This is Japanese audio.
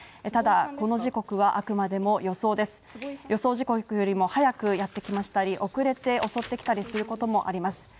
ただ、この時刻はあくまでも予想です予想時刻よりも早くやってきたり遅れて襲ってきたりすることもあります。